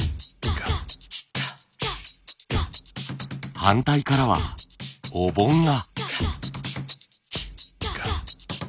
反対からはお盆が。